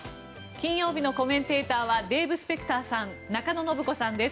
金曜日のコメンテーターはデーブ・スペクターさん中野信子さんです。